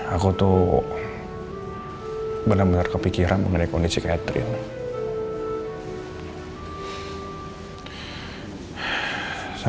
aku tuh benar benar kepikiran mengenai kondisi catherine